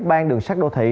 ban đường sắt đô thị